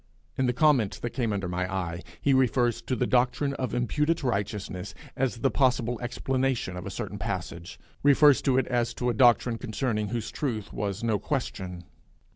In the comment that came under my eye, he refers to the doctrine of imputed righteousness as the possible explanation of a certain passage refers to it as to a doctrine concerning whose truth was no question.